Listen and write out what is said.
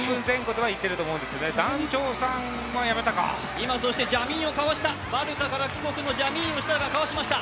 今、ジャミーンをかわした、バルカから帰国のジャミーンをかわしました。